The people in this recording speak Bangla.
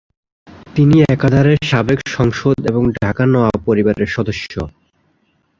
তিনি একাধারে সাবেক সাংসদ এবং ঢাকা নওয়াব পরিবারের সদস্য।